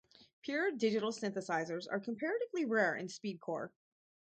Pure digital synthesizers are comparatively rare in speedcore.